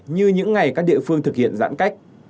như những ngày các địa phương thực hiện giãn cách